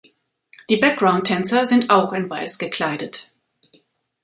Die Background-Tänzer sind auch in weiß gekleidet.